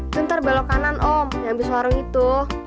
itu ntar belok kanan om ya ambil suaranya tuh